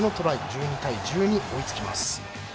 １２対１２、追いつきます。